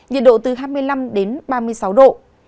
nhiệt độ từ hai mươi năm ba mươi sáu độ